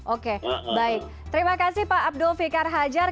oke baik terima kasih pak abdul fikar hajar